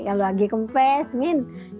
kalau lagi kempes ini